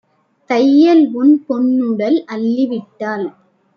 தையல்உன் பொன்னுடல் அள்ளிவிட்டாள்?"